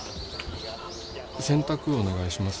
洗濯お願いします。